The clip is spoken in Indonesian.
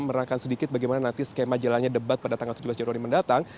merakan sedikit bagaimana nanti skema jalannya debat pada tanggal tujuh belas januari mendatang